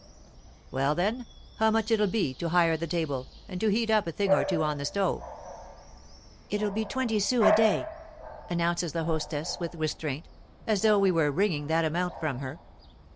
"Well then, how much'll it be, to hire the table, and to heat up a thing or two on the stove?" "It'll be twenty sous a day," announces the hostess with restraint, as though we were wringing that amount from her.